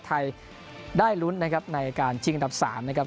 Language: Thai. ไทยได้ลุ้นนะครับในการชิงอันดับ๓นะครับ